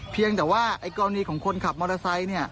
เพียงแต่ว่าไอ้กรณีของคนขับมอเตอร์ไซค์